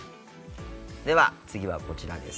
では次はこちらです。